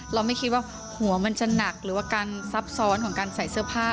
เราไม่คิดว่าหัวมันจะหนักหรือว่าการซับซ้อนของการใส่เสื้อผ้า